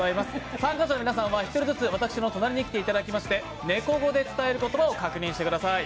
参加者の皆さんは１人ずつ私の隣に来ていただきまして、猫語で使える言葉を確認してください。